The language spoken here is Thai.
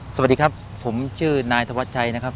สวัสดีครับผมชื่อนายธวัชชัยนะครับ